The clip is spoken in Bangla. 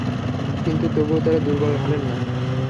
কিন্তু তবুও তারা দুর্বল হলেন না।